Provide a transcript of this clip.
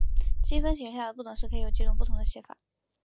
积分形式下的不等式可以有几种不同的写法。